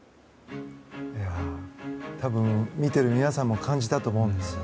多分、見てる皆さんも感じたと思うんです。